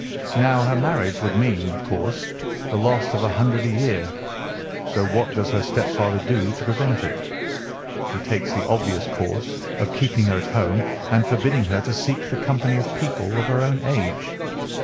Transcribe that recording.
Now her marriage would mean, of course, the loss of a hundred a year, so what does her stepfather do to prevent it? He takes the obvious course of keeping her at home and forbidding her to seek the company of people of her own age.